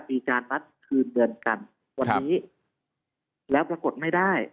มีการนัดคืนเงินกันวันนี้แล้วปรากฏไม่ได้